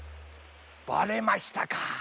ばれましたか。